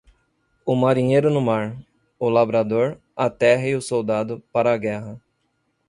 O marinheiro no mar; o labrador, a terra e o soldado, para a guerra.